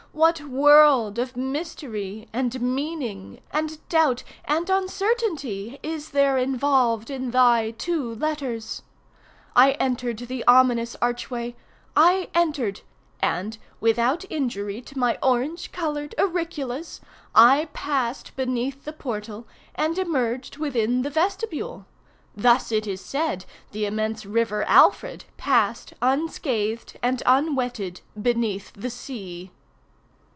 what world of mystery, and meaning, and doubt, and uncertainty is there involved in thy two letters! I entered the ominous archway! I entered; and, without injury to my orange colored auriculas, I passed beneath the portal, and emerged within the vestibule. Thus it is said the immense river Alfred passed, unscathed, and unwetted, beneath the sea.